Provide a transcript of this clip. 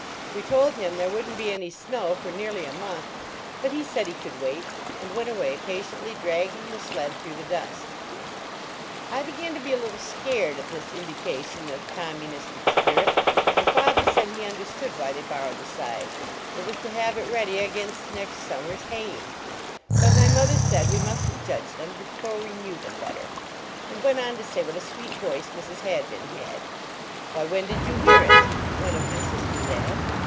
We told him there wouldn t be any snow for nearly a month, but he said he could wait, and went away, patiently dragging the sled through the dust. I began to be a little scared at this indication of communistic spirit, and father said he understood why they borrowed 148 A NEIGHBORLY NEIGHBORHOOD the scythe; it was to have it ready against next summer s haying. But my mother said ue mustn t judge them before we knew them hi tier, and went on to say what a sweet voice Mrs. Hadbin had. \Vhy, when did you hear it?" one of my sisters asked.